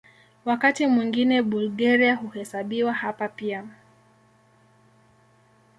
Wakati mwingine Bulgaria huhesabiwa hapa pia.